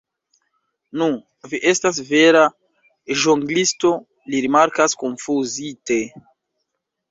Nu, vi estas vera ĵonglisto, li rimarkas konfuzite.